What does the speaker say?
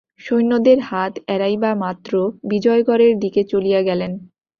সৈন্যদের হাত এড়াইবামাত্র বিজয়গড়ের দিকে চলিয়া গেলেন।